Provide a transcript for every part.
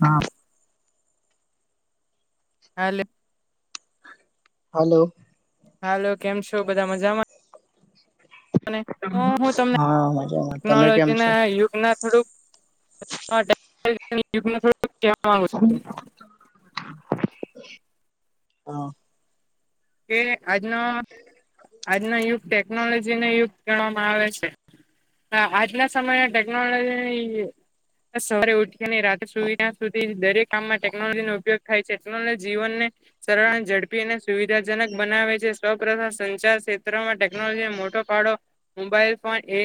હા. હાલ. Hello. Hello કેમ છે. શ બધા મજામાં. હું તમને હા મજામાં તમે કેમ ટેકનોલોજી છો ના યુગ ના થોડુંક [unintelligible] [unintelligible] હા. કે આજનો-આજનો યુગ ટેકનોલોજીનો યુગ ગણવામાં આવે છે. આજના સમયે ટેકનોલોજી સવારે ઉઠીની રાતે સુઈ ત્યાં સુધી દરેક કામમાં ટેકનોલોજી નો ઉપયોગ થાય છે ટેક્નોલોજી જીવનને સરળ અને ઝડપી અને સુવિધા જનક બનાવે છે. સૌ પ્રથમ સંચાર ક્ષેત્રમાં ટેકનોલોજીનો મોટો ફાળો મોબાઈલ ફોન, એ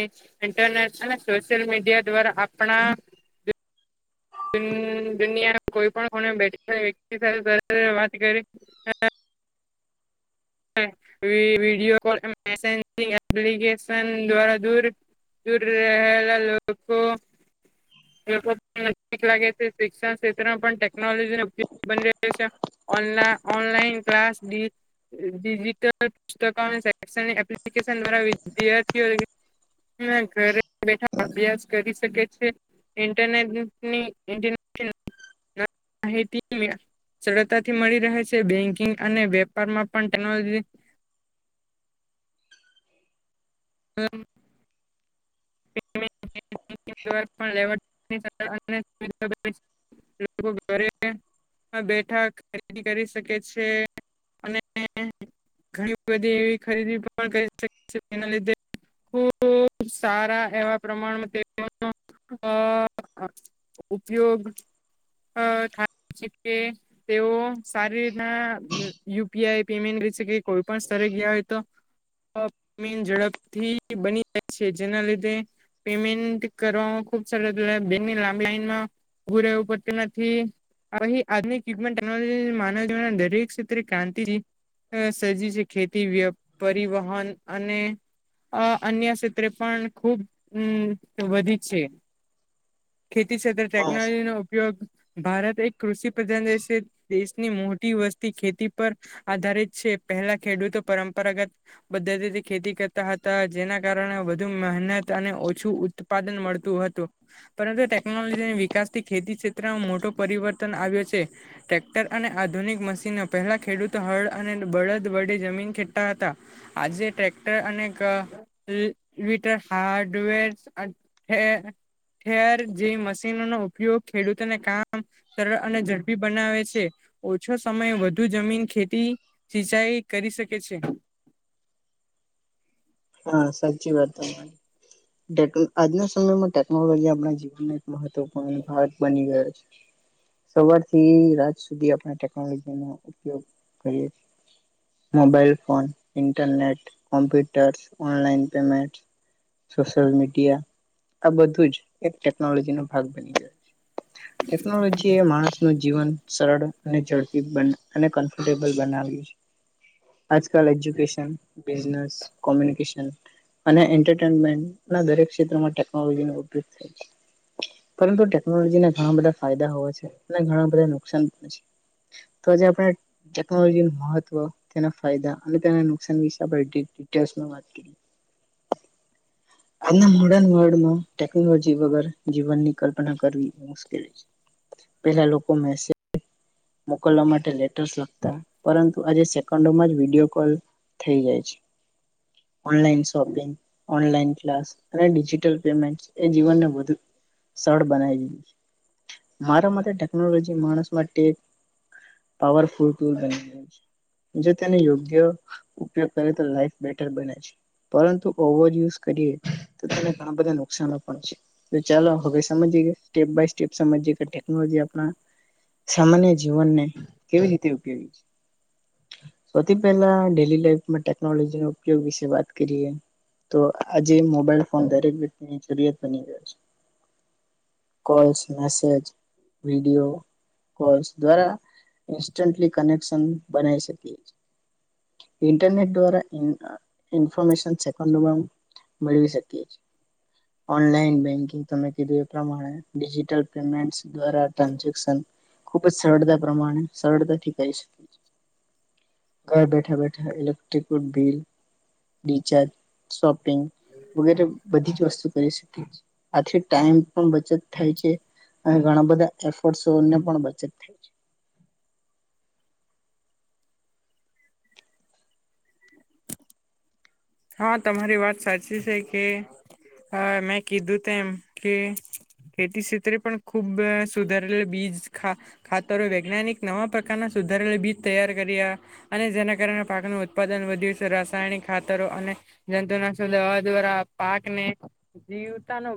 ઇન્ટરનેટ અને સોશિયલ મીડિયા દ્વારા આપણા દુન દુનિયાના કોઈ પણ કોને બેઠેલી વ્યકિત સાથે વાત કરી [unintelligible] વિ વિડીયો કોલ, મેસેજથી [unintelligible] એપ્લિકેશન દ્વારા દૂર-દૂર રહેલા લોકોથી લાગે છે, શિક્ષણ ક્ષેત્રમાં પણ ટેકનોલોજી ન ઉપયોગ થઈ રહ્યો છે, ઓનલા ઓનલાઈન ક્લાસ, [unintelligible] વિદ્યાર્થી ઘરે બેઠા અભ્યાસ કરી શકે છે. ઇન્ટરનેટ ની [unintelligible] સરળતાથી મળી રહે છે, બેન્કિંગ અને વેપારમાં પણ ટેકનોલોજી હા. [unintelligible] લોકો ઘરે બેઠા બેઠા ખરીદી કરી શકે છે અને ઘણી બધી એવી ખરીદી પણ કરી શકે છે જેના લીધે ખુબ સારા એવા પ્રમાણમાં તેઓનો અહ ઉપયોગ થાય છે કે તેઓ સારી રીતના યુ પી આઈ પેમન્ટ કરી શકે કોઈ પણ સ્થળે ગયા હોય તો જમીન ઝડપથી બની જાય છે. જેના લીધે પેમેન્ટ કરવામાં ખુબ સરળ, બેંકની લાંબી લાઈનમાં ઉભું રહેવું પડતું નથી. આધુનિક યુગ ટેકનોલોજી માનવ જીવન દરેક ક્રાંતિ સર્જી છે ખેતી વેપારી પરિવહન અને અન્ય સ તે પણ ખુબ વધી છે. ખેતી સાથે હા કટેકનોલોજી નો ઉપયોગ ભારત એક કૃષિ પ્રધાન દેશ છે. દેશની મોટી વસ્તી ખેતી પર આધારિત છે. પહેલા ખેડૂતો પરંપરાગત પદ્ધતિથી ખેતી કરતા હતા જેના કારણે કારણે વધુ મહેનત અને ઓછું ઉત્પાદન મળતું હતું, પરંતુ ટેકનોલોજી વિકાસથી ખેતી ક્ષેત્રમાં મોટો પરિવર્તન આવ્યો છે. ટ્રેક્ટર અને આધુનિક મશીનો. પહેલા ખેડૂતો હળ અને બળદ વડે જમીન ખેડતા હતા. આજે ટ્રેક્ટર અને હાર્ડવેર ઠે ઠેર જેવી મશીનોનો ઉપયોગ ખેડૂતોને કામ સરળ અને ઝડપી બનાવે છે. ઓછો સમય વધુ જમીન ખેતી સિંચાઈ કરી શકે છે. હા સાચી વાત છે. ટેક આજના સમયમાં ટેકનોલોજી આપણા જીવનનો એક મહત્વપૂર્ણ ભાગ બની ગયો છે. સવારથી રાત સુધી આપણે ટેકનોલોજીનો, mobile phone, internet, computer, online payment social media, આ બધું જ એક ટેકનોલોજી નો ભાગ બની ગયો છે. ટેકનોલોજી એ માણસ નું જીવન સરળ અને ઝડપી બન અને કમ્ફર્ટેબલ બનાવ્યું છે. આજકાલ એજ્યુકેશન, બિઝનેસ, કોમ્યુનિકન અને એન્ટરટેનમેન્ટ એન્ટરટેઈમેન્ટ દરેક ક્ષેત્રમાં ટેક્નોલોજીનો ઉપયોગ થાય છે, પરંતુ ટેકનોલોજીના ઘણા બધા ફાયદા હોય છે, અનેણા બધા નુકસાન પણ છે. તો આજે આપણે ટેકનોલોજીનો મહત્વના ફાયદા તેના નુકાસાન ના વિશે વાત કરીશું. આજના મોડર્ન વર્લ્ડમાં ટેકનોલોજી વગર જીવનની કલ્પના કરવી મુશ્કેલ છે. પેલા લોકો મેસે મોકલવાં માટેે લેટર્સ લખતાં પરંતુ આજે સેકન્ડોમાં જ વિડીયો કોલ થઈ જાય છે. ઓનલાઈન શોપિંગ, ઓનલાઈન ક્લાસ, અને ડિજીટલ પેમેન્ટ એ જીવન વધું સરળ બનાવી દીધું છે. મારા માટે ટેકનોલોજી માણસ માટે પાવરફુલ ટુલ બની છે. જો તેને યોગ્ય ઉપયોગ કરે તો લાઈફ બેટર બને છે, પરંતુ ઓવર યુઝ કરીએ તો તેને ઘણા બધા નુકસનો પણ છે. તો ચાલો હવે સમજીએ સ્ટેપ બાય સ્ટેપ સમજીએ કે ટેકનોલોજી આપણા સામાન્ય જીવનને કેવી રીતે ઉપયોગી છે. સૌથી પહેલા ડેલી લાઈફમાં ટેકનોલોજીનો ઉપયોગ વિશે વાત કરીએ તો આજે મોબાઈલ ફોન દરેક વ્યક્તિની જરૂરિયાત બની ગયો છે. કોલ્સ, મેસેજ, વિડીયો કોલ્સ દ્રારા ઈન્સ્ટન્ટલી કનેશકશન બને છે. ઇન્ટરનેટ દ્વારા ઈ ઈન્ફોર્મેશન સેકન્ડોમાં મળી જાય છે, ઓનલાઈન બેંકિગ તમે કીધું એ પ્રમાણે ડિજીટલ પેમેન્ટસ દ્વારા ટ્રાન્ઝેક્શન ખૂબ જ સરળ પ્રમાણે સરળતાથી કરી શકાય ઘર બેઠા બેઠા. એટલે બિલ રિચાર્જ સબ વગેરે બધી જ વસ્તુ કરી શકાય છે. આથી ટાઈમ પણ બચત થાય છે. ઘણા બધા એફર્ટને પણ જ [unintelligible] હા તમારી વાત સાચી છે કે મેં કીધું તેમ કે ખેતી ક્ષેત્રે પણ ખુબ સુધારેલ બીજા ખાતરો વૈજ્ઞાનિક નવા પ્રકારના સુધારેલ બીજ તૈયાર કર્યા અને જેના કારણે પાકનું ઉત્પાદન વધ્યું છે રાસાયણિકા દ્વારા પાકને જીવતાનો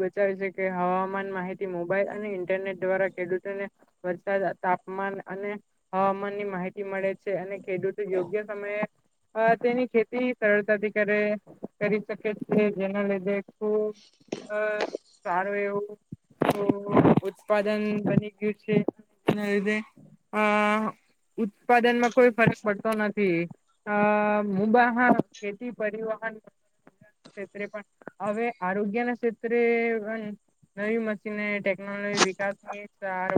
બચાવ છેકે હવામાન માહિતી મોબાઈલ અને ઇન્ટરનેટ દ્વારા ખેડૂતોને વરસાદ તાપમાન અને હવામાનની માહિતી મળે છે અને ખેડૂતો યોગ્ય સમયે તેની ખેતી સરતાથીરે કરી શકે છે જેના લીધે ખુબ સારું એવું ઉત્પાદન બની ગયું છે જેના લીધે અ ઉત્પાદનમાં કોઈ ફરક પડતો નથી આબા ેે પણ હવે આરોગ્ય ના ક્ષેત્રે પણ નવી મશીન ટેકનોલોજી વિકાસ અર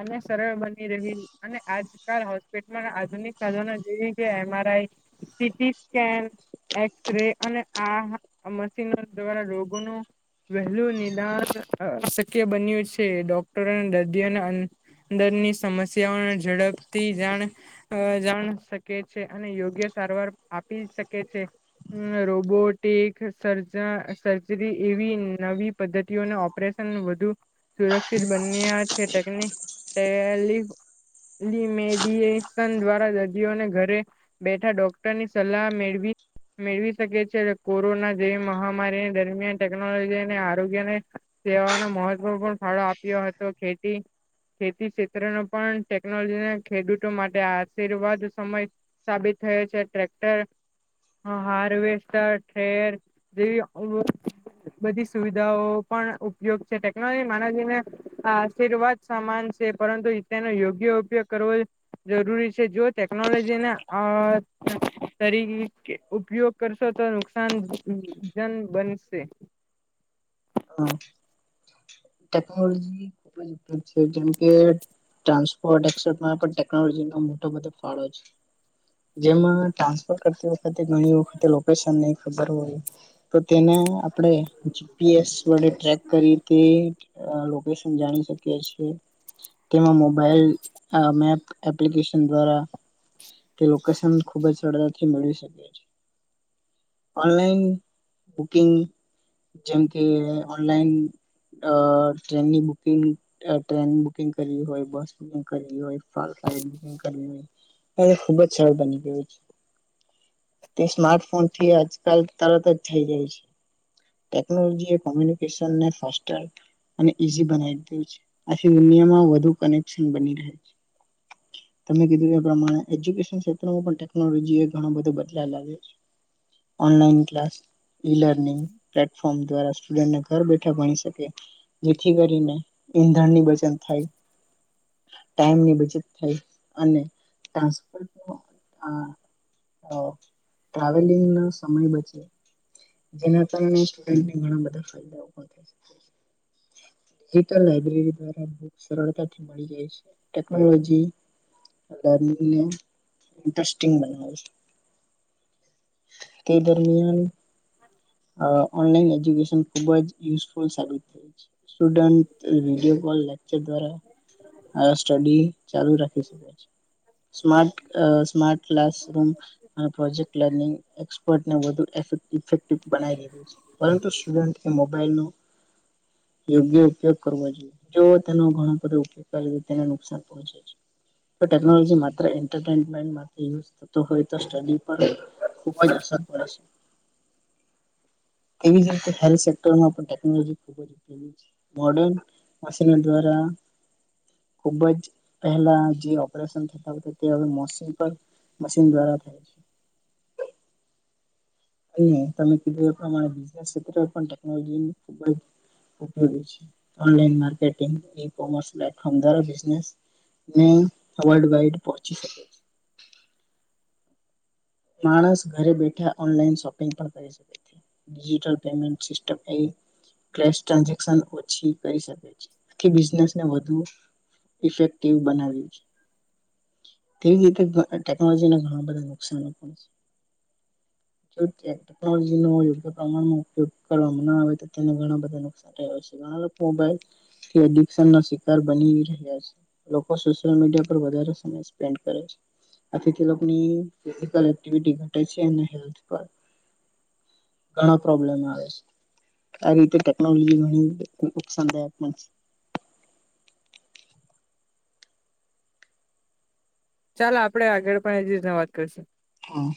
અને સરળ બની રહી અને આજકાલ હોસ્પિટલ આધુનિક સાધનો જે સ સ્કેન એક્સ ર અને આ મશીનો દ્વારા રોગોનું વહેલું નિદાન શક્ય બન્યું છે ડોક્ટરો દર્દીઓનાંદરની સમસ્યાઓ ઝડપથી જાણ જાણ શકે છે. અનેયોગ્ય સારવાર આપી શકે છે રોબોટિક સર્ સર્જરી એવી નવી પદ્ધતિઓને ઓપરેશન વધુ સુરક્ષિત બન્યા છેટેકટેમેડએશન દ્વારા દર્દીઓને ઘરે બેઠા ડોક્ટરની સલાહ મેળવી મેળવી શકે છે કોરોના જેવી મહામારી દરમિયાન ટેકનોલોજીને આરોગ્યને સેવાનો મહત્વપૂર્ણ ફાળો આપ્યો હતો ખેતી ખેતી ક્ષેત્રનો પણ ટેકનોલોજીના ખેડૂતો માટે આશીર્વાદ સમય સાબિત થ છે ટક્ટર હાર્વેસ્ટરર જેવી બધી સુવિધાઓ પણ ઉપયોગ છે ટેકનોલોજી માનને આશીર્વાદ સમાન છે પરંતુ તેનો યોગ્ય ઉપયોગ કરવો જરૂરી છે જો ટેકનોલોજીને આ શરી ઉપયોગ કરશો તો નુકસાન જન બનશે. ટેકનોલોજી ખુબ જ ઉપયો છે જેમકે ટ્રાન્સપોર્ટ એમાં પણ ટેકનોલોજી ન મોટો બધો ફાળો છે જેમાં ટ્રાસપટ કરતી વખતેણી વખતેશન ખબર હોય તો તેને આપ બડે ટ્રેક કરી તે લોકેશન જાણી શકીીએ તેમાં મોબાઈલ મેપ એપ્લિકેશન દ્વારા તેકેશન ખુબ જ સરતાથી મેળવી શલાઈન બકંગ જેમકે ટ્રેનની બંગ ટ્રેન બુકંગ કર હોય બસ બુંગ કર હોય ફ્લાટ બંગ હોય ખુબ જ સરળ બની ગય તે સ્માર્ટફોનથી આજકાલ તરત જ થઈ જાય છે ટેકનોલોજી કોમુ બનાવી આ દુનિયામાં વધુ કનેશન બની છે કે એ પ્રમાણેજુનેત્રમાં ટેલોજી બ બદલા્યો છે. ઈ લર્નિંગ પ્લાટફોર્મ દ્વારા [inaudible] ઘર બેઠા ભણી શકે જેથી કરીને ઈંધણ ની બ થાય. ટાઈમની બચત થઈ અને [unintelligible] ટ્રાવેલિંગ નો સમય બચે જેના કારણે ઘણા બધા ફાયદા. લબ્રેરી દ્વા સરતાથી મળી જાય છે ટેકનોલોજીિ [unintelligible] તે દરમિયાન. અ ઓનલાઈન એજ્યુકેશન ખુબ જ યુઝફુલ સાબિત થય છે. સુડન્ટ વિડીયો કોલ લેચર દ્વારા સ્ટડી ચાલુ રાખી શકે છે સ્માર્ટ ક્લાસ રૂમ પ્રોજેક્ટનિંગ એક્સપર્ટ અને વધુ [unintelligible] ુુડન્ટ એ મોબાઈલ ન યોગ્ય ઉપયોગ કરવો જોઈએ તેનો ઘણો બ ઉપયોગ કરે તેને નુકાન પહોંચે છે ટેકનોલોજી માત્ર થ હોય તો ખુબ જ અસરડે છે. તેવી જ રીતે હેલ્થ સેક્ટરમાં પણ ટેકનોલોજી ખબયોગી મોડન મશીનો દ્વારા ખુબ જ પહેલા જે ઓપરેશન થતા તે હશ મશીન દ્વારા થાય છે. અહી તમે કીધું એ પ્રમાણે બ ક્ષેત્ર પણ ટેકનોલોજી ખુબ જ ઉપયોગી છેલા માર્ટ ઈ કોમર્સ પ્લેટફોર્મ દ્વા બને વ વાઈડચીકે છે. મા ઘ બેઠા ઓનલાોપિંગ પણ કરીકે છે રીટેજી. ટેનોલોજી ન ગ્ય પ્રમાણ ઉપયોગ કરવામાં ના આવે તો તેને બધા નાન થ છે શાર બની્યા છે મીડિયા પર વધ સમે. ઘટે છે અને હેથ પર ઘણા પ્રોબ્લેમ આવે છે આ રીતે ટેકનોલોજી ઘણી નુકસાનદાયક પણ છે. ચાલ આપડે આગળ પણ એ જ રીતના વાત કરશું. હા.